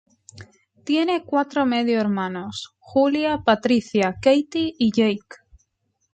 Tiene cuatro medio-hermanos: Julia, Patricia, Katie, y Jake.